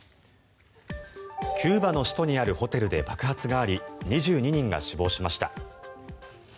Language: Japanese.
キューバの首都にあるホテルで爆発があり２２人が死亡しました。